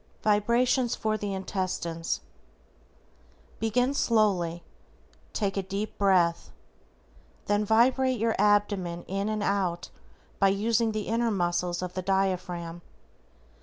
=VIBRATIONS FOR INTESTINES:= Begin slowly, take a deep breath, then vibrate your abdomen in and out by using the inner muscles of the diaphragm.